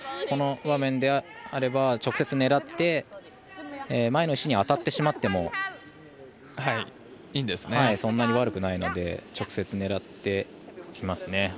この場面であれば直接狙って前の石に当たってしまってもそんなに悪くないので直接狙ってきますね。